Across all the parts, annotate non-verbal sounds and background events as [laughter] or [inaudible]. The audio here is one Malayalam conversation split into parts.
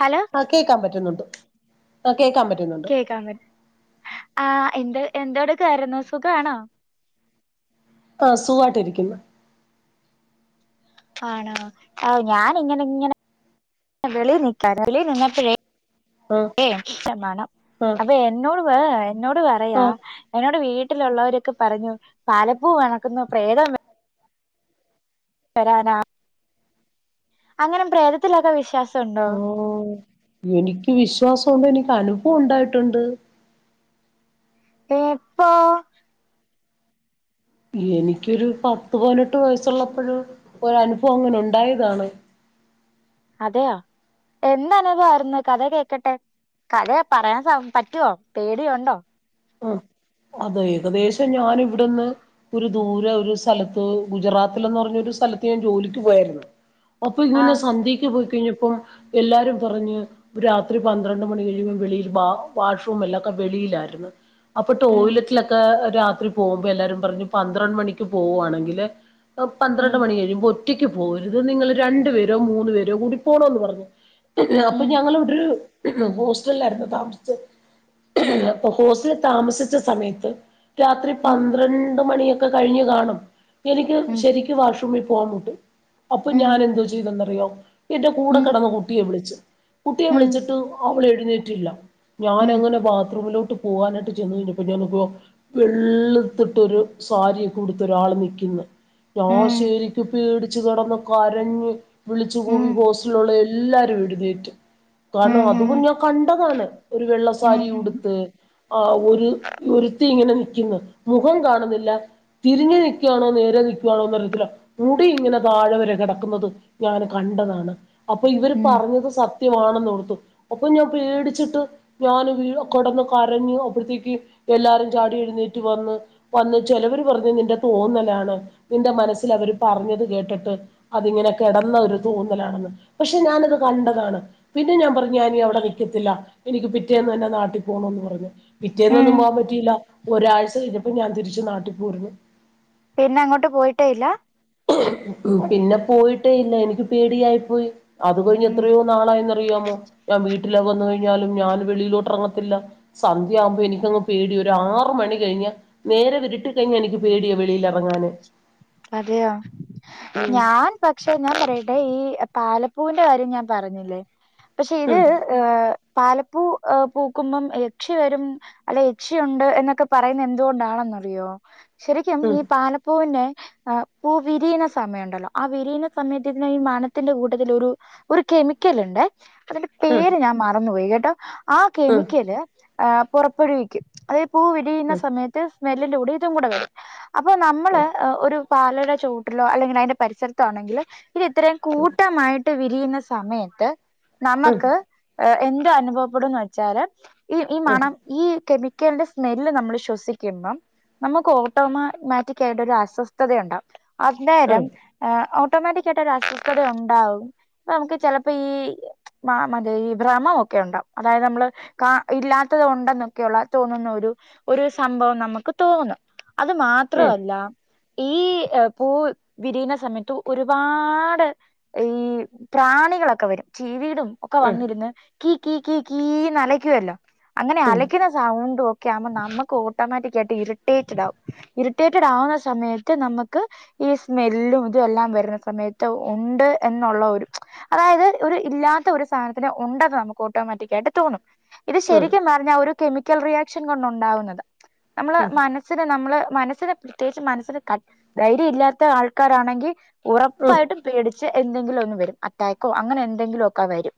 ഹലോ ആ കേക്കാൻ പറ്റുന്നുണ്ട് ആ കേക്കാൻ പറ്റുന്നുണ്ട് കേക്കാ പറ്റ് ആ എന്ത എന്തോടുക്കാരുന്നു സുഖാണോ ആഹ് സുഹായിട്ടിരിക്ക്ന്ന് ആണോ ആ ഞാന് ഇങ്ങനെങ്ങനെ വെളിൽ നിക്കാര്ന്ന് വെളിൽ നിന്നപ്പോഴേ ആ ഏ ശമാനം ആ അപ്പൊ എന്നോട് പ എന്നോട് ആ പറയാ എന്നോട് വീട്ടി വീട്ടിലുള്ളവരൊക്കെ പറഞ്ഞു പാലപ്പൂ കണക്ക് വരാനാ അങ്ങനെ പ്രേതത്തിലൊക്കെ വിശ്വാസ് ഓഹ് എനിക്ക് വിശ്വാസ ണ്ട് എനിക്ക് അനുഭവം ഉണ്ടായിട്ടുണ്ട് എപ്പൊ എനിക്കൊരു പത്ത് പതിനെട്ട് വയസ്സുള്ളപ്പോഴ് ഒരു അനുഭവം അങ്ങനെ ഉണ്ടായതാണ് അതെയോ എന്ത്‌ അനുഭവാരുന്നു കഥ കേക്കട്ടെ കഥയ പറയാൻ സം പറ്റുവോ പേടിയോണ്ടോ അതെ ഏകദേശം ഞാൻ ഇവിടുന്ന് ഒരു ദൂര ഒരു സ്ഥലത്ത് ഗുജറാത്തിലന്ന് പറഞ്ഞ ഒരു സ്ഥലത്ത് ഞാൻ ജോലിക്ക് പോയാരുന്നു അപ്പൊ ആ ഇങ്ങനെ സന്ധ്യക്ക്‌ പോയി നിപ്പം എല്ലാരും പറഞ്ഞ് രാത്രി പന്ത്രണ്ട് മണി കഴിയുമ്പോ വെളില് വാ വാഷ്റൂം എല്ലാം ഉം ടോയിറ്റിലെക്കേ രാത്രി പോകുമ്പോ എല്ലാരും പറഞ്ഞു പന്ത്രണ്ട് മണിക്ക് പോവുവാണെങ്കില് ഉം പന്ത്രണ്ട് മണി കഴിയും ബു ഒറ്റയ്ക്ക് പോവര്ത് നിങ്ങള് രണ്ട് പേരോ മൂന്നു പേരോ കൂടി പോണെന്ന് പറഞ്ഞു അപ്പം ഉം ഞങ്ങള് ഇവടെരു ഉം ഹോസ്റ്റലിലാരുന്നു താമസിച്ചത് ഉം അപ്പം ഹോസ്റ്റലില് താമസി ച്ചാ സമയത്ത് രാത്രി ഉം പന്ത്രണ്ട് മണിയെ ക്ക് കഴിഞ്ഞ് കാണും എനിക്ക് ഉം ശെരിക്കും വാഷ്റൂമി പോവാൻ മുട്ട് അപ്പം ഉം ഞാൻ എന്തോ ചെയ്തേതന്നോ [unintelligible] എൻ്റെ ഉം കൂടെ ഉം കെടന്നാ കുട്ടിയെ വിളിച്ച് കുട്ടിയെ ഉം വിളിച്ചിട്ട് അവളെഴെ ന്നിട്ടില്ലാ ഞാൻ ഉം അങ്ങനെ ബാത്റൂമിലോ ട്ട് പോവാനായിട്ട് ചെന്ന് കഴിഞ്ഞാപ്പേ [unintelligible] വെള്ള്ത്തിട്ടൊര് സാരിക്കെ ഉട്ത്ത് ഒരാള് നിക്ക്ന്ന് ഞാൻ ഉം ശെരിക്കും പേടി ച്ച് കെടന്ന് കരഞ്ഞ് വിളിച്ച് ഉം കൂവി ഹോസ്റ്റലിലെള്ളാ എല്ലാരും എഴുന്നോ ഉം കാരണം അത് ഉം പേ ഞാൻ കണ്ടതാണ് ഒര് ഉം വെള്ളസാരി ഉം ഉടുത്ത് ആ ഒര് ഒരത്തി ഇങ്ങനെ നിക്കന്ന് മുഖം കാണുന്നില്ലാ തിരിഞ്ഞു നിക്കുകവാണോ നേരെ നിക്കുവാണോ അറി ത്തില്ലാ മുടി ഇങ്ങനെ താഴെ വെരെ കെടക്കന്നത് ഞാന് കണ്ടതാണ് അപ്പം ഇവര് ഉം പറഞ്ഞത് സത് സത്യമാണെന്ന് ഒർത്തു അപ്പം ഞാൻ പേടിച്ചിട്ട് ഞാന് വി കെടന്നിട്ട് കരഞ്ഞ് അപ്പോഴത്തേക്ക് എല്ലാരും ചാടി എഴുന്നേറ്റ് വന്ന് വന്ന് ചെലവര് പറഞ്ഞ് നിന്റെ തോന്നലാണ് നിന്റെ മനസ്സില് അവര് പറഞ്ഞത് കേട്ടിട്ട് അതിങ്ങനെ കെടന്ന ഒരു തോന്നലാണെന്ന് പക്ഷേ ഞാന അത് കണ്ടതാണ് പിന്നെ ഞാൻ പറഞ്ഞു ഞാനി അവിടെ നിക്കത്തില്ല എനിക്ക് പിറ്റേന്ന് തന്നെ നാട്ടി പോണെന്ന് പറഞ്ഞ് ഉം പിറ്റേനൊന്നും പോ ഒരാഴ്ചാ കഴിഞ്ഞിപ്പോ ഞാൻ തിരിച്ചു നാട്ടിപ്പോരുന്നു പിന്നെ അങ്ങോട്ട് പോയിട്ടോ ഇല്ല പിന്നെ പോയിട്ടേ ഇല്ല എനിക്ക് പേടിയായിപ്പോയി അത് കഴിഞ്ഞ ഉം എത്രയോ നാളായ അറിയാമോ ഞാൻ വീട്ടിലേക്ക് വന്നു കഴിഞ്ഞാലും ഞാൻ വെളിയിലോട്ടിറങ്ങത്തില്ല സന്ത്യ യാകുമ്പോ എനിക്കങ്ങ് പേടി ഒരു ആറ മണി കഴിഞ്ഞ നേരെ വിരുട്ട കഴിഞ്ഞ എനിക്ക് പേടിയ വെളിയിൽ ഇറങ്ങാന് അതെയോ ഉം ഞാൻ പക്ഷെ എന്നാ പറയട്ടെ ഈ പാല പൂവിന്റെ കാര്യം ഞാൻ പറഞ്ഞില്ലേ പക്ഷെ ഇത് ഉം ഏ പാലപ്പൂ പൂക്കുമ്പം യക്ഷി വരും അല്ല യക്ഷിയുണ്ട് എന്നൊക്കെ പറയുന്നത് എന്തുകൊണ്ടാണെന്നറിയോ ശരിക്കും ഉം ഈ പാലപ്പൂവിന്റെ ആ പൂ വിരിയണ സമയമുണ്ടല്ലോ ആ വിരിയണ സമയത്ത് ഇതിന് ഈ മണത്തിന്റെ കൂട്ടത്തിൽ ഒരു ഒരു കെമിക്കല ഉണ്ട് അതിന്റെ ഉം പേര് ഞാൻ മറന്നുപയി കേട്ട [inaudible] ആ ഉം കെമിക്കല് ആ പുറപ്പെടുവിക്കും അത പൂ വിരിയുന്ന ഉം സമയത്ത് സ്മെല്ലിന്റെ കൂടെ ഇതും കൂടെ വരും അപ്പൊ നമ്മള് ഒരു പാലടെ ചോട്ടിലോ അല്ലെങ്കിൽ അതിന്റെ പരിസരത്തോ ആണെങ്കിൽ ഇത് ഇത്രയും കൂട്ടമായിട്ട് വിരിയുന്ന സമയത്ത് ഉം നമുക്ക് എന്ത് അനുഭവപ്പെടന്ന് വെച്ചാല് ഈ ഈ ഉം മണം ഈ കെമിക്കല് [unintelligible] സ്മെല്ല് നമ്മൾ ശ്വസിക്കുമ്പോ നമുക്ക് ഓട്ടോ മാറ്റിക്കായി ഒരു അസ്വസ്ഥ അസ്വസ്ഥതയുണ്ടാവ ഉം അന്നേരം ഉം ഏ ഓ ഓട്ടോമാറ്റിക് ആയിട്ട് ഒരു അസ്വസ്ഥതഉണ്ടാവും അപ്പ നമുക്ക് ചിലപ്പോ ഈ മ മത ഈ ഭ്രമമൊക്കെ ഉണ്ടാവും അതായത് നമ്മള് കാ ഇല്ലാത്തത് ഉണ്ടെന്നൊക്കെയള്ള തോന്നുന്ന ഒരു ഒരു സംഭവം നമുക്ക് തോന്നും അത് ഉം മാത്രല്ല ഈ പൂ വിരിയുന്ന സമയത്തു ഒരുപാട് ഈ പ്രാണികളൊക്കെ വരും ചീവീടും ഒക്കെ വന്നിരുന്നു കി കീ കി കീ അലയ്ക്കുവല്ലോ അങ്ങനെ അലക്കുന്ന സൗണ്ട് ഒക്കെ ആകുമ്പോ നമുക്ക് ഓട്ടോമാറ്റിക് ആയിട്ട് ഇറിറ്റേറ്റഡ് ആകും ഇറിറ്റേറ്റഡ് ആവുന്ന സമയത്ത് നമുക്ക് ഈ സ്മെല്ലും ഇത് എല്ലാം വരുന്ന സമയത്ത് ഉണ്ട് എന്നുള്ള ഒരു അതായത് ഒരു ഇല്ലാത്ത ഒരു സാധനത്തിന് ഉണ്ടെന്ന് നമുക്ക് ഓട്ടോമാറ്റിക്ക് ആയിട്ട് തോന്നും ഇത് ശരിക്കും പറഞ്ഞാൽ ഒരു കെമിക്കൽ റിയാക്ഷൻ കൊണ്ട് ഉണ്ടാവുന്നതാ നമ്മള് മനസ്സില് നമ്മള് മനസ്സിൽ പ്രത്യേക്ച്ച് മനസ്സിൽ ആ ധൈര്യല്ലാത്തആൾക്കാരാണെങ്കിൽ ഉറപ്പായിട്ടും പേടിച്ച് എന്തെങ്കിലുഒന്ന് വരും അറ്റാക്കോ അങ്ങനെന്തെങ്കിലുമൊക്കെ വരും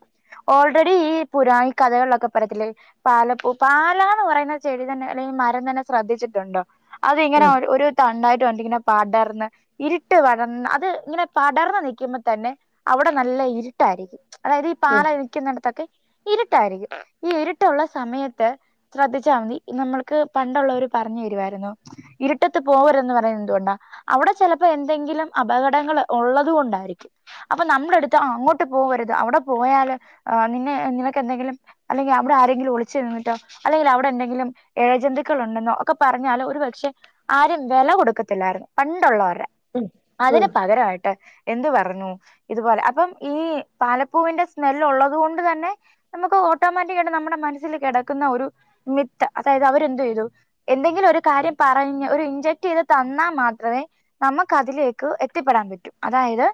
ഓൾറെഡി ഈ പുരാൺക്കഥകളിലൊക്കെപറയ്ത്തില്ലെ ഈ പാലപ്പൂ പാലാന്ന്പറയുന്ന ചെടി തന്നെ അല്ലെങ്കിൽ മരം തന്നെ ശ്രദ്ധിച്ചിട്ടുണ്ടോ അത് ഇങ്ങനെ ഒരു ഒരുതണ്ടായിട്ട് തണ്ടിങ്ങനെപടർന്ന് ഇരിട്ട് വരും അത് ഇങ്ങിനെ പടെർന്ന്നിക്ക്മ്പതന്നെ അവിടെ നല്ല ഇരുട്ടായിരിക്കും അതായത്ഈ പാല നിക്കിന്നിട്ത്തൊക്കെ ഇരുട്ടായിരിക്കും ഈ ഇര്ട്ടുള്ളസമയത്ത് ശ്രദ്ധിച്ചാമതി ഇ നമ്മള്ക്ക് പണ്ടൊള്ളോര് പറ്ഞ്ഞെരുവായിര്ന്നു ഇരുട്ടത്ത് പോവര്തെന്ന് പറ [inaudible] [inaudible] [inaudible] എന്ത്പറഞ്ഞു ഇതുപോലെ അപ്പം ഈ പാലപ്പൂവിന്റെ സ്മെല്ലോള്ളത്കൊണ്ട്തന്നെ നമുക്ക് ഓട്ടോമാറ്റിക്കായിട്ട് നമ്മുടെ മനസ്സിൽകെടക്കുന്ന ഒരു മിത്ത അതായത് അവരെന്തുചെയ്തു എന്തെങ്കിലും ഒരു കാര്യം പറഞ്ഞ് ഒരു ഇഞ്ചക്ട് ചെയ്ത തന്നാമാത്രമേ നമുക്ക് അതിലേക്ക് എത്തിപ്പെടാൻ പറ്റൂ അതായത്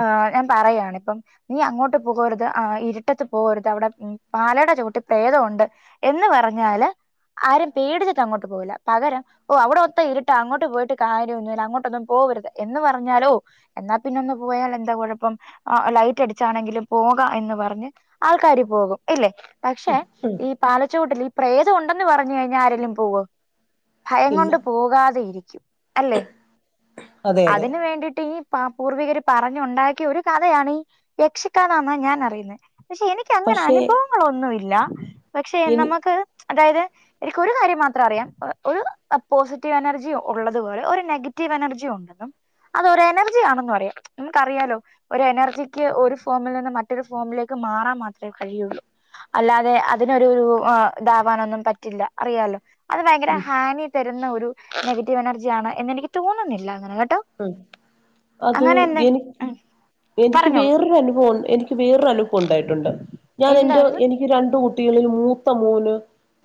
ആ ഞാൻ പറയാണിപ്പം നീ അങ്ങോട്ട്പോകരുത് ആ ഇര്ട്ടത്ത് പോവര്ത് അവിടെ ഉം പാലെടെചോട്ട് പ്രേതോണ്ട് എന്ന്പറഞ്ഞാല് ആരും പേടിച്ചട്ട്അങ്ങോട്ട് പോകില്ല പകരം ഓ അവിടെ ഒത്തഇരിട്ടാ അങ്ങോട്ട് ങ്ങോട്ട്പോയിട്ട് കാര്യംന്നുല്ല അങ്ങോട്ടൊന്നും പോവ്വെര്ത് എന്ന് പറഞ്ഞാലോ എന്നാ പിന്നെ ഒന്ന് പോയാലെന്താകുഴപ്പം ആ ലൈറ്റ്അടിച്ചാണെങ്കിലും പോകാഎന്ന്റഞ്ഞ് ആൾക്കാര് പോകും ഇല്ലേ പക്ഷെ ഈ പാലച്ചോട്ടിൽ ഈ പ്രത ഉണ്ടെന്ന് പറഞ്ഞുകഴിഞ്ഞാ ആരെങ്കിലുംപോവ്വോ ഭയം ഇല്ല കൊണ്ട് പോകാതെഇരിക്കും അല്ലെ അതെ അതെ അതിന് വേണ്ടിയിട്ട് ഈ പ പൂർവികര് പറഞ്ഞുണ്ടാക്കിയൊരു കഥയാണീ യക്ഷിക്കഥാന്നാ ഞാൻ അറിയുന്നെ പക്ഷെഎനിക്കങ്ങനെ പക്ഷെ അനുഭവങ്ങളൊന്നുല്ല പക്ഷേ എനി നമുക്ക് അതായത് എനിക്കൊരുകാര്യം മാത്രംഅറിയാം അ് ഒരു പോസിറ്റീവ് എനർജിയൊ ഒള്ളതുപോലെ ഒരുനെഗറ്റീവ് എനർജിഉണ്ടെന്നും അതൊരു എനർജിയാണെന്നും അറിയാം നമുക്കറിയാലോ ഒരു എനർജിക്ക് ഒരു ഫോമിൽ നിന്ന് മറ്റൊരു ഫോമിലേക്ക് മാറാൻ മാത്രമേ കഴിയുള്ളൂ അല്ലാതെ അതിനൊരു അ് ആ താവാനൊന്നും പറ്റില്ല അറിയാലോ അത്ഭയങ്കര ഉം ഹാനി തരുന്നഒരു രു നെഗറ്റീ റ്റീവെനർജിയാണ് എന്നെനിക്ക് തോന്നുന്നില്ല അങ്ങന ഉം അത് എനി ഉം എനിക്ക് പറഞ്ഞോളൂ വേറൊരു അനുഭവം എനിക്ക് വേറനുഭവം ഉണ്ടായിട്ടുണ്ട് ഞനെൻ്റെ എന്തായിരുന്നു എനിക്ക് രണ്ട് രണ്ട് കുട്ടികളിൽ മൂത്തമോന്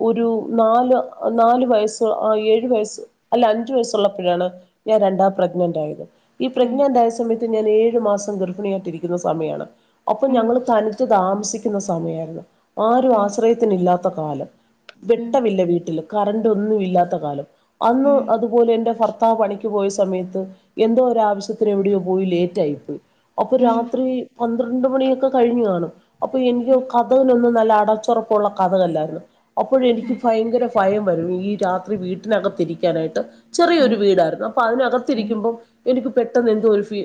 ഒരു നാല് നാല് വയസ്സ് ഏഴു വയസ്സ് അല്ല അഞ്ചു വയസ്സുള്ളപ്പോഴാണ് ഞാൻ രണ്ടാം പ്രഗ്നന്റ് ആയത് ഈ ഉം പ്രഗ്നനെൻ്റായ സമയത്ത് ഞാൻ ഏഴു മാസം ഗർഭിണിയായിട്ടിരിക്കുന്ന സമയാണ് അപ്പൊ ഉം ഞങ്ങള് തനിച്ച് താമസിക്ക ന്ന സമയായിരുന്നു ആരും ഉം ആശ്രയത്തിനില്ലാ ത്ത കാലം ഉം വെട്ടവില്ല വീട്ടില് കററ്റ് ഒന്നും ഇല്ലാത്ത കാലം അന്ന് ഉം അതുപോലെ എന്റെ ഭർ ഭർത്താവ് പണിക്ക് പോയ സമയത്ത് എന്തോ ഒരു ആവശ്യത്തിന് എവിടെയോ പോയി ലേറ്റ് ആയിപ്പോയി അപ്പൊ ഉം രാത്രി പന്ത്രണ്ട് മണിയൊക്കെ കഴിഞ്കാണും അപ്പൊ എനിക്ക് ഉം കതവിനൊന്ന് നല്ല അടച്ചുറപ്പുള്ള കതകല്ലായിരുന്നു അപ്പോഴ്‌ എനിക്ക് ഭയങ്കര ഭയം വരും ഈ രാത്രി വീട്ടിനകത്തിരിക്ക ക്കാനായിട്ട് ഉം ചെറിയൊരു വീടായിരുന്നു അപ്പൊ ഉം ഉം അതിനകത്തിരിക്ക എനിക്ക് പെട്ടെന്ന് എന്തോ ഒരു ഫി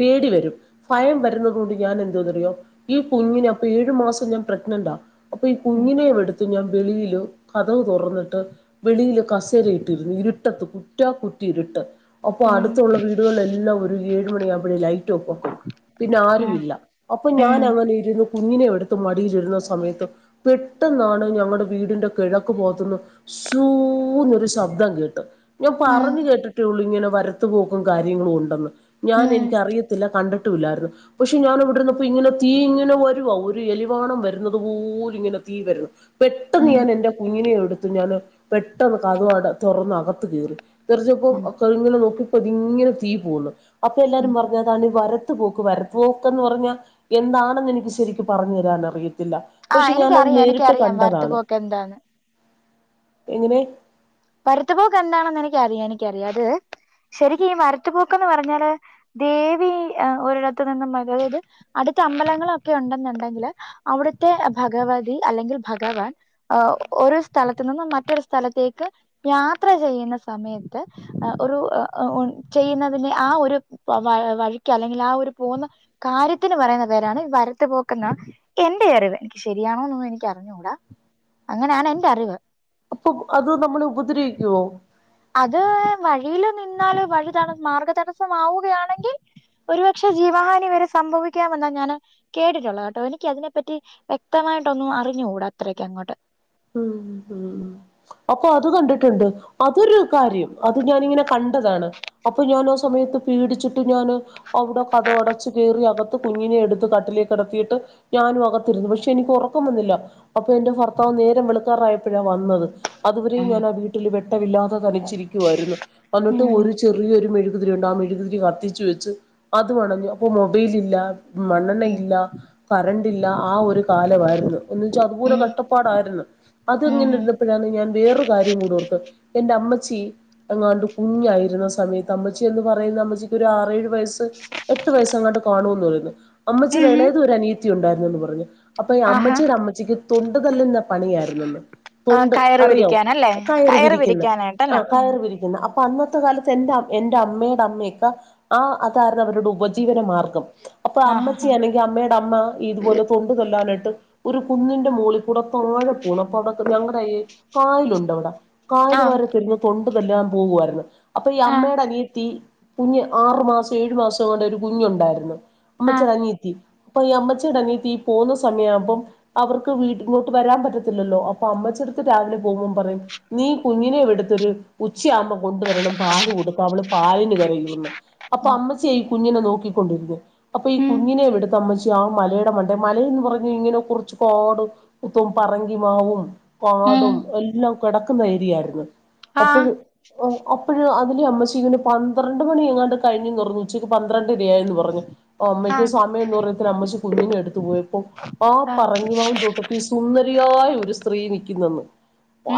പേടി വരും ഭയം വരുന്നത് കൊണ്ട് ഞാൻ എന്തോന്ന്റിയോ ഈ കുഞ്ഞിനെ അപ്പൊ ഏഴു മാസം ഞാൻ പ്രഗ്നന്റാ അപ്പൊ ഈ ഉം കുഞ്ഞിനെ എടുത്ത് ഞാൻ വെളിയില് കതക് തുറന്നിട്ട് വെളിയില് കസേരയിട്ടിരുന്നു ഇരുട്ടത്ത് കുറ്റാ കുറ്റ് ഇരുട്ട് അപ്പൊ ഉം ഉം അടുത്തുള്ള വീടുകളിലെല്ലാം ഒരു ഏഴ്‌ മണിആകുമ്പഴേ ലൈറ്റ് ഓഫ്‌ ആക്കും പിന്നെ ആരുമില്ല അപ്പൊ ഉം ഞാൻ അങ്ങനെ ഇരുന്ന് കുഞ്ഞിനെ എടുത്ത് മടിയിലിരുന്ന സമയത്ത് പെട്ടെന്നാണ് ഞങ്ങളുടെ വീടിന്റെ കിഴക്ക് ഭാഗത്തുന്നു ശു ന്ന് ഒരു ശബ്ദം കേട്ട് ഞാൻ പറഞ് കേട്ടിട്ടേള്ളൂ ഇങ്ങനെ വരത്തുപോക്കും കാര്യങ്ങളും ഉണ്ടെന്ന് ഞാൻ എനിക്ക് അറിയത്തില്ല കണ്ടി ട്ടുംലായിരുന്നു പക്ഷെ ഞാൻ ഇവിടന്ന്പ്പോ ഇങ്ങനെ തീ ഇങ്ങനെ വരുവാ ഒരു എലിവാണം വരുന്നുന്നത് പോലും ഇങ്ങനെ തീ വരുന്നു പെട്ടെന്ന് ഉം ഞാൻ എൻന്റെ കുഞ്ഞിനെ എടുത്ത് ഞൻ പെട്ടെന്ന് കതക് അ തുറന്ന് അകത്ത് കേറി ഉം തീറച്ചപ്പോംങ്ങനെ ഇപ്പ അതിങ്ങനെ തീ പോകുന്നു അപ്പൊ ഉം എല്ലാരും പറഞ്ഞതാണ് ഈ വരത്തു പോകും വരുത്ത് പോക്കന്ന് പറഞ്ഞാൽ എന്താണെന്ന് എനിക്ക് ശരിക്കും പറഞ്ഞു തരാൻ അറിയ ആ എനിക്കറിയാം എനിക്കറിയാം വര്ത്ത് പോക്കെന്താന്ന് എങ്ങനെ വരത്തുപോക്ക് എന്താണെന്ന് എനിക്ക് അറിയാം എനിക്കറിയാം അത് ശരിക്കും ഈ വരത്തുപോക്ക്ന്ന് പറഞ്ഞാല് ദേവി ഒരിടത്തു നിന്നും അതായത് അടുത്ത അമ്പലങ്ങളൊക്കെ ഉണ്ടെന്നുണ്ടെങ്കിൽ അവിടുത്തെ ഭഗവതി അല്ലെങ്കിൽ ഭഗവാൻ ഒരു സ്ഥലത്തു നിന്നും മറ്റൊരു സ്ഥലത്തേക്ക് യാത്ര ചെയ്യുന്ന സമയത്ത് ഒരു ചെയ്യുന്നതിന്റെ ആ ഒരു വ വഴിക്ക് അല്ലെങ്കിൽ ആ ഒരു പോകുന്ന കാര്യത്തിന് പറയുന്ന പേരാണ് വരത്തു പോക്കന്ന് എൻന്റെ അറിവ് എനിക്ക് ശരിയാണോ എന്നൊ എനിക്ക് അറിഞ്ഞുകൂടാ അങ്ങനെയാണ് എന്റെ അറിവ് അപ്പം അത് നമ്മള് അത് വഴിയില് നിന്നാല് വഴിതട മാർഗ്ഗതടസ്സംമാവുകയാണെങ്കിൽ ഒരുപക്ഷെ ജീവഹാനി വരെ സംഭവിക്കാമെന്നാണ് ഞാന് കേട്ടിട്ടുള്ളത് കേട്ടോ എനിക്ക് അതിനെപ്പറ്റി വ്യക്തമായിട്ടൊന്നും അറിഞ്ഞുകൂടാ അത്രക്കെ അങ്ങോട്ട് ഉം ഉം അപ്പൊ അത് കണ്ടിട്ട്ണ്ട് അതൊരു കാര്യം അത് ഞാനിങ്ങനെ കണ്ടതാണ് അപ്പൊ ഞാൻ ആ സമയത്ത് പേടിച്ചിട്ട് ഞാന് അവ്ടെ കഥകടച്ചു കേറി അക കുഞ്ഞിനെ എടുത്ത് കട്ടിലിൽ കിടത്തിയിട്ട് ഞാനും അകത്തിരുന്നു പക്ഷെ എനിക്ക് ഒറക്കം വന്നില്ല അപ്പൊ എന്റെ ഭർത്താവ് നേ രം വെള്ക്കാറായപ്പഴാ വന്നത് അതുവരെ ഞാനാ വീട്ടിൽ ആരുമില്ലാതെ തനിച്ച് ഇരിക്കുവായിരുന്നു. ഉം അന്നിട്ട്ഒരു ചെറിയരു മെഴു കുതിരിണ്ട് ആ മെഴുകുതിരി കത്തിച്ച് വെച്ച് അതുമണഞ്ഞു അപ്പൊ മൊബൈല് ഇല്ല മണ്ണെണ്ണ ഉം ഇല്ല കറണ്ട്ല്ല ആ ഒരു കാലമായിയിരുന്നു എന്ന് വെച്ചാ അതുപോലെ ഉം കഷ്ടപ്പാടായിർന്നു. അതങ്ങനെ ഇരുന്നപ്പഴാണ് ഞാൻ വേറെ കാര്യം കൂടെ ഓർത്തെ അമ്മച്ചി എങ്ങാണ്ട് കുഞ്ഞായിരുന്ന സമയത്ത് അമ്മച്ചി എന്ന് പറയുന്ന അമ്മച്ചിക്ക് ഒരു ആറേഴു വയസ് എട്ട് വയസ്സ് അങ്ങട്ട് കാണൂന്ന് റയുന്നു. ഉം അമ്മച്ചിറേളേത് ഒരനിയത്തി ത്തി ഉണ്ടായിരുന്നെന്ന് പറഞ്ഞു അപ്പ ആഹാ അമ്മച്ചീടെ അമ്മച്ചിക്ക് തൊണ്ടു തല്ലുന്ന പണി [unintelligible] ആ തൊണ്ട് കയറ് അറിയോ വിരിക്കാനല്ലേ കയറ് കയറ്പിരിക്കുന്ന ആ വിരിക്കാനായിട്ടല്ലേ ഉം കയറ് പിരിക്കുന്ന അപ്പ അന്നത്തെ കാലത്ത് എന്റെ അമ് എന്റെ അമ്മേടെ അമ്മയൊക്ക ആ അതായിർന്നു അവരുടെ ഉപജീവന മാർഗം അപ്പൊ ആഹ് അമ്മച്ചി ഹാ അല്ലെങ്കി അമ്മയുടെ അമ്മ ഇതുപോലെ തൊണ്ടു തല്ലാനായിട് ഒരു കുന്നിന്റെ മോളിൽ കുടത്താഴം കൂണപ്പടക്കം ഞങ്ങളടായേ കായലുണ്ടോവിടെ കായല് ആഹ് വാരിത്തരുന്ന തൊണ് അതെല്ലാം പോവായിർന്നു അപ്പൊ ഈ ആഹ് അമ്മയുടെ അനിയത്തി കുഞ്ഞ് ആറു മാസം ഏഴു മാസം കൊണ്ട് ഒരു കുഞ്ഞുണ്ടായർന്നു ആഹ് അമ്മച്ചിടെ അനിയത്തി അപ്പൊ ഈ അമ്മച്ചേട അനിയത്തി പോവുന്ന സമയയാവുമ്പം അവർക്ക് വീട്ട ഇങ്ങോട്ട് വരാൻ പറ്റാത്ത ലല്ലോ അപ്പൊ അമ്മച്ചെടുത്ത് രാവിലെ പോകുമ്പം പറയും നീ കുഞ്ഞിനെ ഇവിട്ത്തൊരു ഉച്ചയാകുമ്പ കൊണ്ടുവരണം പാല് കൊടുക്കാ അവള് പാലിന് കരയുമെന്ന് അപ്പൊ അമ്മച്ചേ ഈ കുഞ്ഞിനെ നോക്കി കൊണ്ടിരിക്ക അപ്പം ഈ ഉം കുഞ്ഞിനെയും എടത്ത് അമ്മച്ചി ആ മലെടെ മണ്ടേ മലെന്ന് പറഞ്ഞ് കഴിഞ്ഞാ കൊറച്ച് കാടും മെത്തോം പറങ്കി ങ്കാവും ഉം കാടും എല്ലാം കെടക്കുന്ന ഏരിയായ്ര്ന്ന് ആഹ് അപ്പഴ് ഓ അപ്പഴ് അതിനെ അമ്മച്ചി പിന്നെ പന്ത്രണ്ട് മണിയങ്ങാണ്ട് കഴിഞ്ഞന്ന് പറഞ്ഞ് ഉച്ചക്ക് പന്ത്രണ്ട് വയാന്ന് പറഞ്ഞ് അമ്മയ്ക്ക്‌ ആഹ് സമയൊന്നും അറിയത്തില്ല അമ്മച്ചി കുഞ്ഞിനെ എട്ത്ത് പോയപ്പോ ആ ആഹ് പറങ്കിമാൻ തോട്ടത്തി സുന്ദരി രിയായൊര് സ്ത്രീ നിക്ക്നെന്നു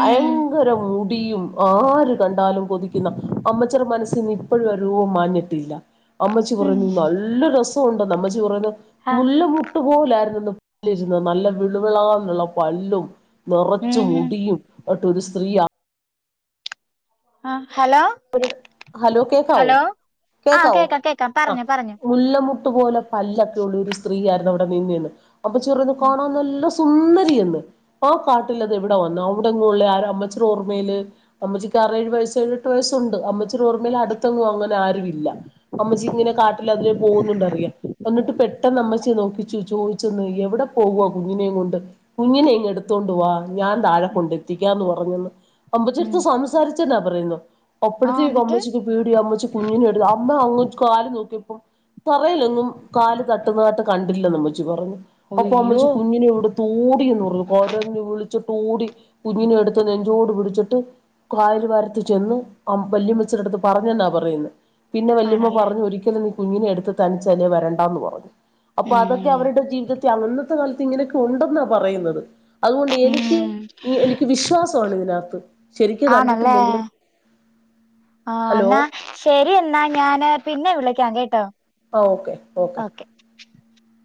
ഉം മുടിയും ആര് കണ്ടാലും കൊതിക്കന്നാ അമ്മാച്ചിടെ മനസ്സിനിപ്പാഴും ആ രൂപം മാഞ്ഞി ട്ടില്ലാ അമ്മാച്ചി ഉം പറഞ്ഞു നല്ലാ രസെണ്ടാന്ന് ഉറങ്ങ് ആഹ് മുല്ലാ മെട്ട്ലോര്ന്ന് [unintelligible] രുന്നു നല്ലാ വെള് വെളാന്ന് ഒള്ളാ പല്ലും നൊറേച്ച് ഉം ഉം മുടിയും [unintelligible] ഒര് സ്ത്രീയാ ആ ഒര് ഹലോ കേക്കാവോ ഹലോ ആഹ് കേക്കാവോ കേക്കാം കേക്കാം ആ പറഞ്ഞോ പറഞ്ഞോ മുല്ലാമെ ട്ട് പോലെ പല്ലൊക്കെ ഒള്ളാര് സ്ത്രീ ആയ്ര്ന്ന് അവടെ നിന്നേന്ന് അമ്മച്ചി പറയ്ന്ന് കാണാൻ നല്ല സു സൂന്നാരിയെന്ന് ആ കാട്ടില് അത് അവടെ വന്ന് അവടെങ്ങും ഒള്ളാ ആരാ അമ്മാച്ചിടെ ഓർമെല് അമ്മാച്ചിക്ക് ആറേഏഴ് വയ യസൊണ്ട് മ്മച്ചിടെ ഓർമ്മേല് അട്ത്തൊന്നും അങ്ങനെ ആരുമില്ലാ അമ്മച്ചിക്ക് ഇങ്ങനെ കാട്ടിലെ അതിലെ പോന്നോണ്ട് അറിയാം എന്നിട്ട് പെട്ടന്ന് അമ്മച്ചി നോക്ക ച്ചി ചോയിച്ചന്ന് എവടെ പോവാ ഉം കൂഞ്ഞിനേ കൊണ്ട് കൂഞ്ഞിനേ ഇങ്ങ് എട്ത്തെണ്ട് വാ ഞാൻ താഴെ കൊണ്ട് എത്തിക്കാന്ന് പറ പറഞ്ഞേന്ന് അമ്മാച്ചിടെ എട്ത്ത് ഉം സംസാരിച്ചെ വെറുതെയിരുന്നോ ആഹ് അപ്പഴത്തേക്ക് എന്നിട്ട് അമ്മച്ചിക്ക് പേടിയായി അമ്മച്ചി കൂഞ്ഞിനെ ടുത്ത് അമ്മ അങ്ങ് കാല് നോക്കിയപ്പോൾ [unintelligible] തറെല്ലാന്നും കാല് താട്ട്ന്നാട്ട് കണ്ടില്ലാന്ന് അമ്മാ [unintelligible] പറഞ്ഞ് അപ്പം ഒയ്യോ അമ്മച്ചി കുഞ്ഞിനെയെട്ത്ത് ഓടിയെന്ന് പറഞ്ഞ് കരഞ്ഞ് വിളിച്ച് ഓടി കുഞ്ഞിനെയെട്ത്ത് നെഞ്ചോട് പിടിച്ചിട്ട് കായാൽ വാരത്ത് ചെന്ന് അ വല്ല്യാമ്മാച്ചിടെത്ത് പറഞ്ഞാന്നാ പറയെന്നോ പിന്നെ വല്യമ്മ ആണല്ലേ പറഞ്ഞഞ് ഒരിക്കലും കുഞ്ഞിനെ എടുത്ത് തനിച്ചലേ വരണ്ടാന്ന് പറഞ്ഞു അപ്പൊ അതൊക്കെ ഉം അവരുടെ ജീവിതത്തി അന്നത്തെ കാല ഇങ്ങനെയൊക്കെ ഉണ്ടെന്നാ പറയുന്നത് അതുകൊണ്ട് എനിക്ക് ഉം എനിക്ക് വിശ്വാസാണ് ഇതിനകത്ത് ശരിക്ക് കണ്ടിട്ടില്ലെങ്കിലും ആ ഹലോ എന്നാ ശരി എന്നാ ഞാന് പിന്നെ വിളിക്കാം കേട്ടോ ആ ഓക്കെ ഓക്കെ [inaudible]